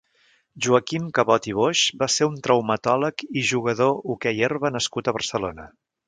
Joaquim Cabot i Boix va ser un traumatòleg i jugador hoquei herba nascut a Barcelona.